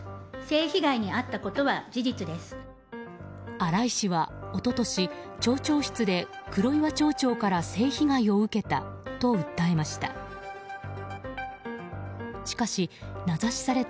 新井氏は一昨日、町長室で黒岩町長から性被害を受けたと訴えました。